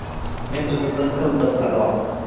Men o’zimni qildim, ado